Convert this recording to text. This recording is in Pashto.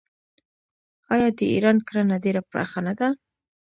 آیا د ایران کرنه ډیره پراخه نه ده؟